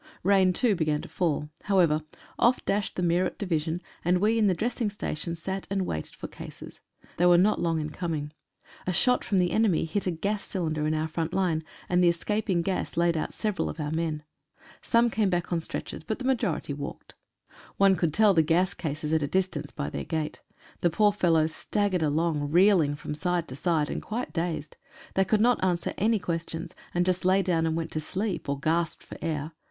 Rain too began to fall. However, off dashed the Meerut Division, and we in the dressing station sat and waited the cases . They were not long in coming. A shot from the enemy hit a gas cylinder in our front line, and the escap ing gas laid out several of our men. Some came back on stretchers, but the majority walked. One could tell the 122 IMPREGNABLE TRENCHES CARRIED. gas cases at a distance by their gait. The poor fellows staggered along, reeling from side to side and quite dazed. They could not answer any questions, and just lay down and went to sleep, or gasped for air.